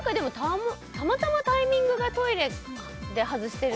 たまたまタイミングがトイレで外してる時。